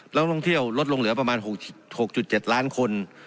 นักท่องเที่ยวลดลงเหลือประมาณ๖๗ล้านคน